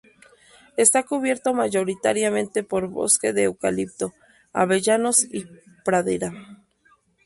Está cubierto mayoritariamente por bosque de eucalipto, avellanos y pradera.